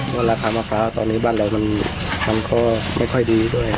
เพราะราคามะพร้าวตอนนี้บ้านเรามันก็ไม่ค่อยดีด้วย